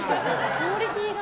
クオリティーが。